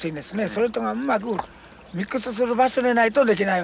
それとがうまくミックスする場所でないと出来ないわけです。